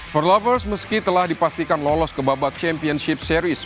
forlovers meski telah dipastikan lolos ke babak championship series